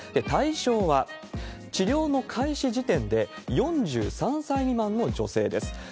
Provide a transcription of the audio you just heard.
対象は、治療の開始時点で４３歳未満の女性です。